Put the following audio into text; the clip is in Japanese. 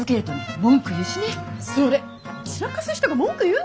散らかす人が文句言うなってね！